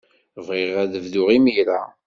Bɣiɣ ad bduɣ imir-a.